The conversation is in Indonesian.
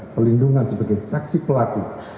perlindungan sebagai saksi pelaku